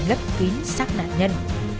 lấp kín sát nạn nhân